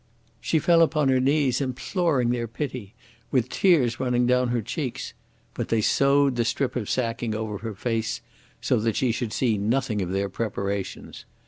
She fell upon her knees, imploring their pity with the tears running down her cheeks; but they sewed the strip of sacking over her face so that she should see nothing of their preparations.